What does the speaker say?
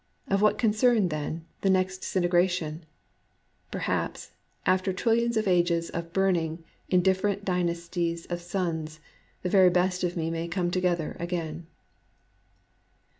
Of what concern, then, the next disintegration ? Perhaps, after tril 94 DUST lions of ages of burning in different dynasties of suns, tlie very best of me may come together again.